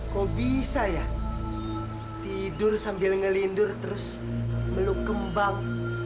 kok bisa ya tidur sambil ngelindur terus meluk kembang